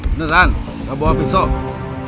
beneran nggak bawa pisau